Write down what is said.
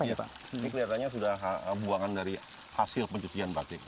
ini kelihatannya sudah buangan dari hasil pencucian batik